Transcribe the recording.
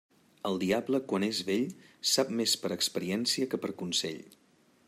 El diable quan és vell, sap més per experiència que per consell.